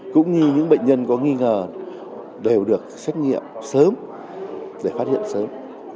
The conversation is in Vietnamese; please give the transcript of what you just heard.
cũng như những bệnh nhân có nghi ngờ đều được xét nghiệm sớm để phát hiện sớm